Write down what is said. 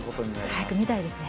早く見たいですね。